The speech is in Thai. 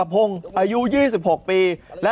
อันนี้คื